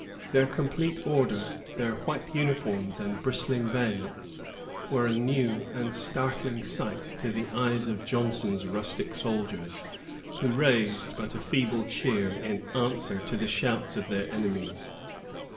Their complete order, their white uniforms and bristling bayonets, were a new and startling sight to the eyes of Johnson's rustic soldiers, who raised but a feeble cheer in answer to the shouts of their enemies.